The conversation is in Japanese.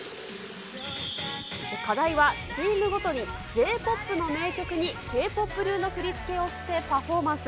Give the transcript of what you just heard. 課題はチームごとにＪーＰＯＰの名曲に、Ｋ−ＰＯＰ流の振り付けをしてパフォーマンス。